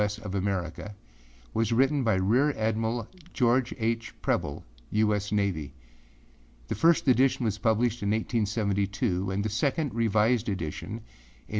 S. of Americaâ was written by Rear Admiral George H. Preble, U. S. Navy. The first edition was published in 1872 and the second, revised, edition, in 1880.